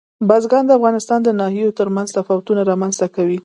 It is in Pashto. بزګان د افغانستان د ناحیو ترمنځ تفاوتونه رامنځته کوي.